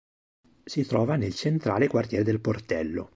Si trova nel centrale quartiere del Portello.